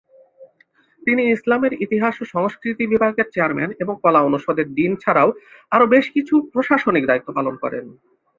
তিনি ইসলামের ইতিহাস ও সংস্কৃতি বিভাগের চেয়ারম্যান এবং কলা অনুষদের ডীন ছাড়াও আরো বেশ কিছু প্রশাসনিক দায়িত্ব পালন করেন।